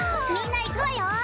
みんな行くわよ。